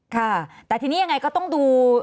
ค่ะแต่ทีนี้ยังไงก็ต้องดู